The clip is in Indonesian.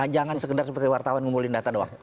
jangan sekedar seperti wartawan ngumpulin data doang